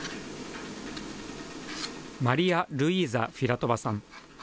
マリア・ルイーザ・フィラトヴァさん。